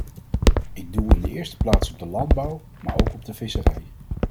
Ik doel in de eerste plaats op de landbouw, maar ook op de visserij.